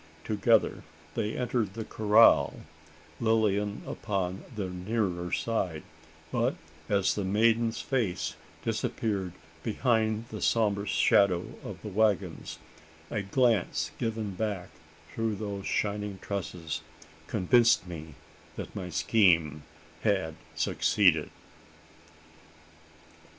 Together they entered the corral Lilian upon the nearer side; but, as the maiden's face disappeared behind the sombre shadow of the waggons, a glance given back through those shining tresses convinced me that my scheme had succeeded!